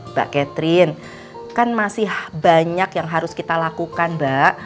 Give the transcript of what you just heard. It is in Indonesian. mbak catherine kan masih banyak yang harus kita lakukan mbak